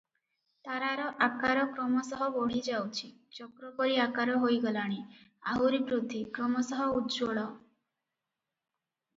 ତାରାର ଆକାର କ୍ରମଶଃ ବଢ଼ି ଯାଉଛି, ଚକ୍ର ପରି ଆକାର ହୋଇଗଲାଣି, ଆହୁରି ବୃଦ୍ଧି, କ୍ରମଶଃ ଉଜ୍ଜ୍ୱଳ ।